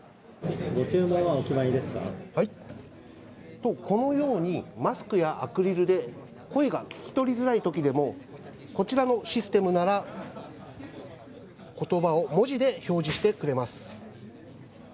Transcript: と、このように、マスクやアクリルで声が聞き取りづらいときでも、こちらのシステムなら、ことばを文字で表示してくれます。